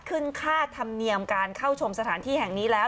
ขึ้นค่าธรรมเนียมการเข้าชมสถานที่แห่งนี้แล้ว